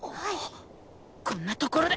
こんなところで。